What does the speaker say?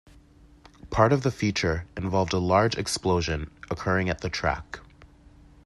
Part of the feature involved a large explosion occurring at the track.